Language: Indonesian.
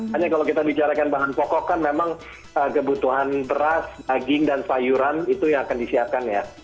hanya kalau kita bicarakan bahan pokok kan memang kebutuhan beras daging dan sayuran itu yang akan disiapkan ya